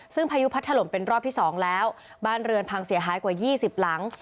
ซึ่งพายุพัดถล่มเป็นรอบที่สองแล้วบ้านเรือนพังเสียหายกว่า๒๐หลัง